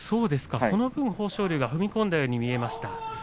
その分豊昇龍が踏み込んだように見えました。